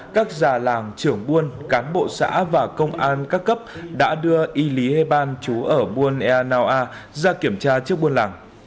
các già làng trưởng buôn cán bộ xã và công an các cấp đã đưa y lý hê ban chú ở buôn ea nao a ra kiểm tra trước buôn làng